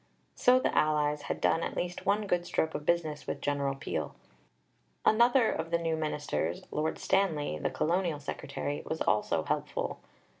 So the allies had done at least one good stroke of business with General Peel. Another of the new ministers Lord Stanley, the Colonial Secretary was also helpful.